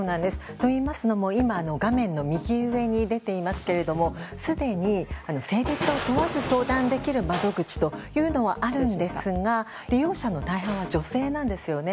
といいますのも画面の右上に出ていますがすでに、性別を問わず相談できる窓口というのはあるんですが利用者の大半は女性なんですね。